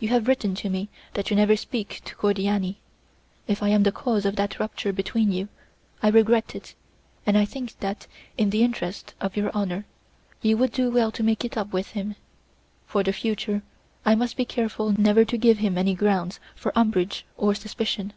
You have written to me that you never speak to Cordiani; if I am the cause of that rupture between you, I regret it, and I think that, in the interest of your honour, you would do well to make it up with him; for the future I must be careful never to give him any grounds for umbrage or suspicion.